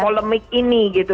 polemik ini gitu